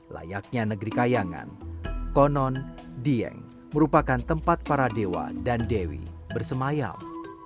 layaknya negeri kayangan konon dieng merupakan tempat para dewa dan dewi bersemayam